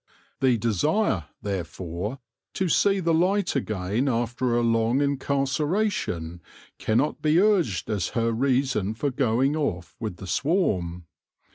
The desire, therefore, to see the light again after a long incarceration can not be urged as her reason for going off with the swarm.